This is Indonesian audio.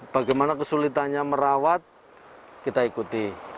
bagaimana kesulitannya merawat kita ikuti